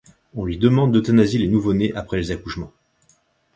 On lui demande d'euthanasier les nouveau-nés après les accouchements.